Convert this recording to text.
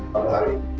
pada hari ini